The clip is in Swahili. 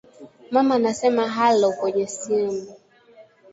Mama anasema hallo kwenye simu